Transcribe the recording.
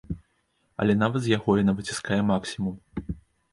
Але нават з яго яна выціскае максімум.